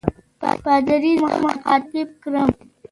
پادري زه مخاطب کړم.